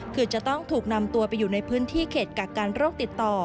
คือจะต้องถูกนำตัวไปอยู่ในพื้นที่เขตกักกันโรคติดต่อ